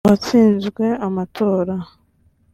watsinzwe amatora